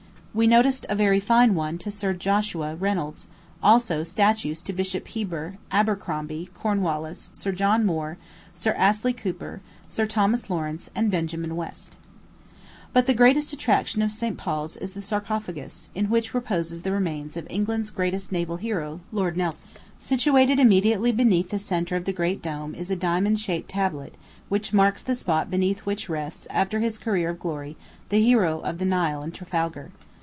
We noticed a very fine one to Sir Joshua Reynolds; also statues to Bishop Heber, Abercrombie, Cornwallis, Sir John Moore, Sir Astley Cooper, Sir Thomas Lawrence, and Benjamin West. [Illustration: Dr. Samuel Johnson.] But the greatest attraction of St. Paul's is the sarcophagus, in which repose the remains of England's greatest naval hero, Lord Nelson. Situated immediately beneath the centre of the great dome is a diamond shaped tablet, which marks the spot beneath which rests, after his career of glory, the hero of the Nile and Trafalgar.